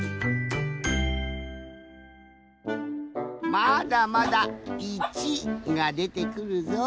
まだまだ一がでてくるぞ。